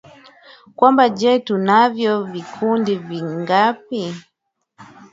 kwamba je tunavyo vikundi vingapi